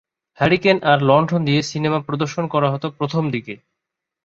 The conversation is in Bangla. হারিকেন আর লণ্ঠন দিয়ে সিনেমা প্রদর্শন করা হতো প্রথম দিকে।